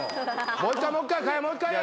もう一回もう一回賀屋もう一回や。